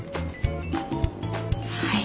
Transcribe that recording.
はい。